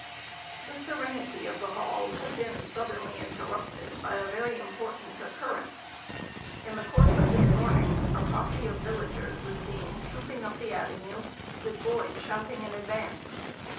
The serenity of the Hall has been suddenly interrupted by a very important occurrence. In the course of this morning a posse of villagers was seen trooping up the avenue, with boys shouting in advance.